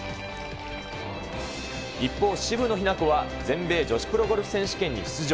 一方、渋野日向子は全米女子プロゴルフ選手権に出場。